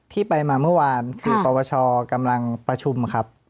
ที่ไปมาเมื่อวานคือปวชกำลังประชุมครับ